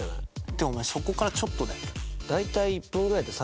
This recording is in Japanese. でもお前そこからちょっとだよ。